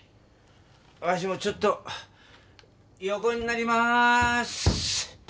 ワシもちょっと横になりまーす。